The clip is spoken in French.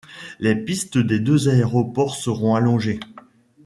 Les pistes des deux aéroports seront allongées.